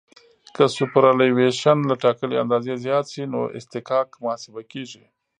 که سوپرایلیویشن له ټاکلې اندازې زیات شي نو اصطکاک محاسبه کیږي